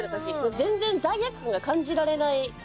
全然罪悪感が感じられないラーメン。